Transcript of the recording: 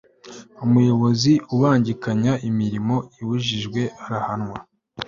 umuyobozi ubangikanya imirimo ibujijwe arahanwa